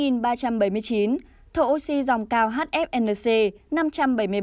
thổ oxy dòng cao hfnc năm trăm bảy mươi ba